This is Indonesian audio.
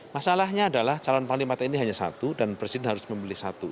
masalahnya adalah calon panglima tni hanya satu dan presiden harus memilih satu